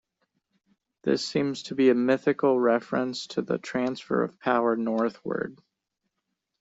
This seems to be a mythical reference to the transfer of power northward.